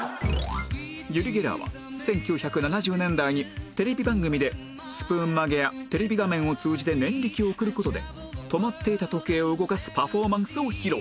ユリ・ゲラーは１９７０年代にテレビ番組でスプーン曲げやテレビ画面を通じて念力を送る事で止まっていた時計を動かすパフォーマンスを披露